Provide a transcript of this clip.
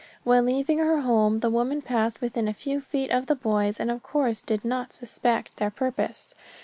When leaving her home the woman passed within a few feet of the boys and of course did not suspect their purpose.